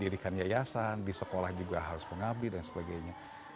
di pernikahan yayasan di sekolah juga harus pengabit dan sebagainya